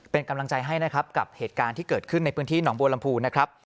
เป็นกำลังใจให้นะครับกับเหตุการณ์ที่เกิดขึ้นในพื้นที่หนองบัวลำพูนะครับ